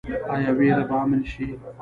آیا ویره به امن شي؟